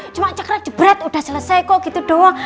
cuma cekrat jebret udah selesai kok gitu doang